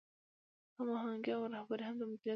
هماهنګي او رهبري هم د مدیریت برخې دي.